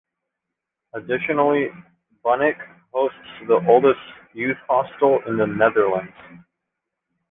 Additionally, Bunnik, hosts the oldest Youth Hostel in the Netherlands.